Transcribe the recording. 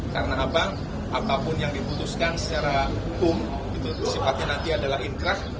karena apa pun yang diputuskan secara hukum sifatnya nanti adalah inkrah